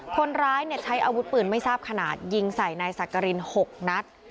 คนร้ายใช้อาวุธปืนไม่ทราบขนาดยิงใส่นายสักกริน๖นัด